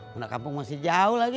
pulang kampung masih jauh lagi